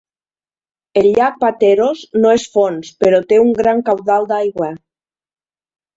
El llac Pateros no és fons però té un gran caudal d"aigua.